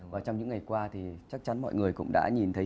và trong những ngày qua thì chắc chắn mọi người cũng đã nhìn thấy